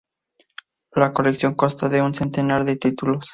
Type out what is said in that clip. La colección consta de un centenar de títulos.